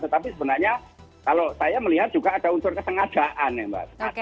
tetapi sebenarnya kalau saya melihat juga ada unsur kesengajaan ya mbak